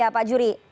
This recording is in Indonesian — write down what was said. ya pak jury